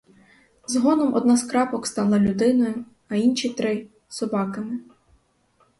Згодом одна з крапок стала людиною, а інші три — собаками.